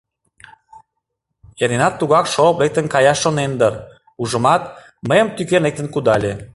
Эрденат тугак шолып лектын каяш шонен дыр, ужымат, мыйым тӱкен лектын кудале.